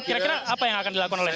kira kira apa yang akan dilakukan oleh